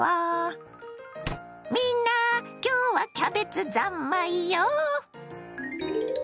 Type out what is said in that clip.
みんな今日はキャベツ三昧よ！